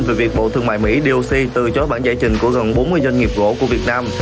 về việc bộ thương mại mỹ doc từ chối bản giải trình của gần bốn mươi doanh nghiệp gỗ của việt nam